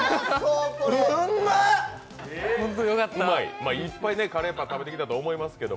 おーい、うんま！いっぱいカレーパン食べてきたと思いますけど。